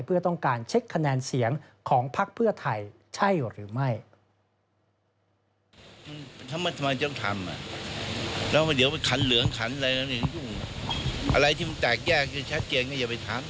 เพื่อต้องการเช็คคะแนนเสียงของภักดิ์เพื่อไทย